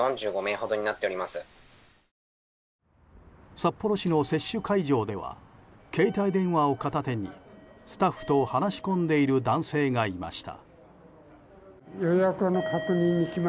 札幌市の接種会場では携帯電話を片手にスタッフと話し込んでいる男性がいました。